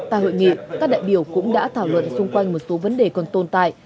tại hội nghị các đại biểu cũng đã thảo luận xung quanh một số vấn đề còn tồn tại